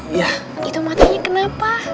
iya itu matanya kenapa